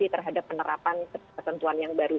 terhadap penerapan ketentuan yang baru